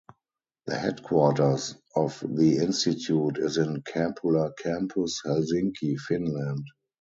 The headquarters of the Institute is in Kumpula Campus, Helsinki, Finland.